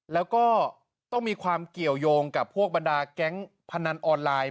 แล้วก็ต้องมีความเกี่ยวยงกับพวกบรรดาแก๊งพนันออนไลน์